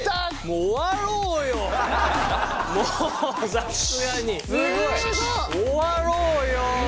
終わろうよ！